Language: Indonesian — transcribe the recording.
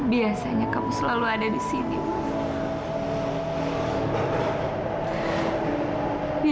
biasanya kamu selalu menemani aku tidur